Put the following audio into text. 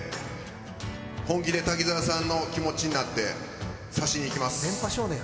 本気で滝沢さんの気持ちになって刺しにいきます。